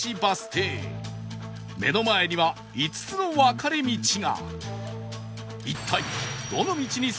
目の前には５つの分かれ道が